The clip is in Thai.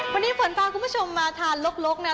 วันนี้ฝนพาคุณผู้ชมมาทานลกนะ